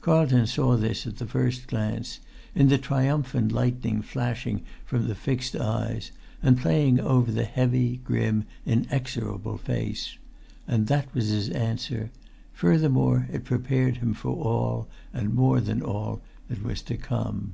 Carlton saw this at the first glance, in the triumphant lightning flashing from the fixed eyes, and playing over the heavy, grim, inexorable face. And that was his answer; furthermore it prepared him for all, and more than all, that was to come.